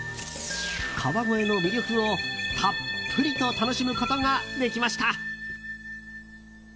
川越の魅力をたっぷりと楽しむことができました。